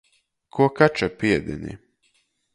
Kuo kača piedeni.